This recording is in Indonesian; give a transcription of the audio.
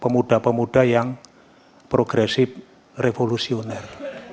pemuda pemuda yang progresif revolusioner